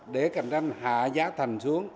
để cạnh tranh hạ giá thành xuống